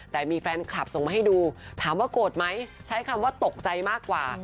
แต่มีแฟนคลับส่งมาให้ดูถามว่าโกรธไหมใช้คำว่าตกใจมากกว่า